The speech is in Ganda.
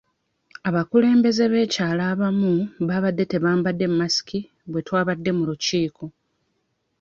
Abakulembeze b'ekyalo abamu baabadde tebambadde masiki bwe twabadde mu lukiiko.